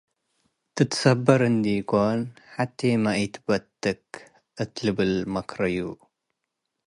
ትትሰበር እንድ-ኢኮን ሐቴ'መ ኢትበት'"ክ” እት ልብል መክረየ።